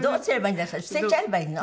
捨てちゃえばいいの？